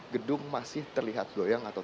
gedung masih terlihat goyang atau